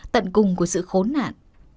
tận cùng của sự khốn nạn